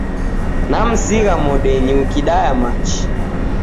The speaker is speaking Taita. Namsigha modenyi ukidaya machi.